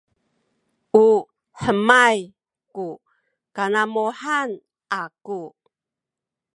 u hemay ku kanamuhan aku